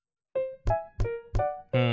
うん。